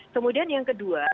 kemudian yang kedua